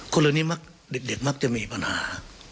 คนเรื่องนี้เด็กมักจะมีปัญหา